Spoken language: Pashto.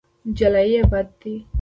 جلايي بد دی.